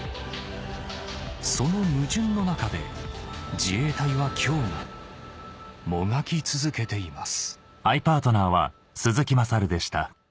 その矛盾の中で自衛隊は今日ももがき続けています